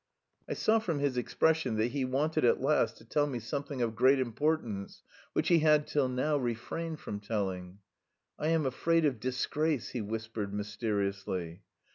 I saw from his expression that he wanted at last to tell me something of great importance which he had till now refrained from telling. "I am afraid of disgrace," he whispered mysteriously.